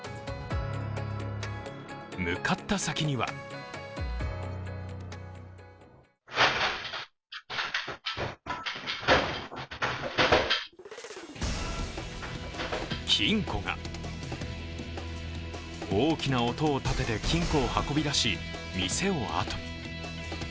向かった先には金庫が大きな音を立てて金庫を運び出し店をあとに。